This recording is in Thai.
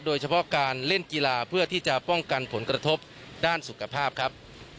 โดยเฉพาะการเล่นกีฬาเพื่อที่จะป้องกันผลกระทบด้านสุขภาพครับ